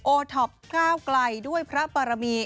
โอท็อป๙ไกลด้วยพระประมี